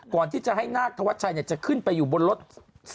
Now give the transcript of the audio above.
ก่อนที่จะให้นาคธวัชชัยจะขึ้นไปอยู่บนรถ